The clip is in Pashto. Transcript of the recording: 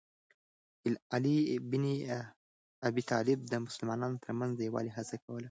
علي بن ابي طالب د مسلمانانو ترمنځ د یووالي هڅه کوله.